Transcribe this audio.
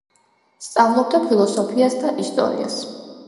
სწავლობდა ფილოსოფიას და ისტორიას.